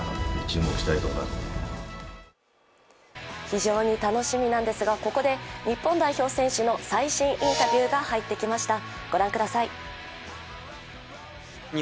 非常に楽しみなんですがここで日本代表選手の最新インタビューが入ってきました。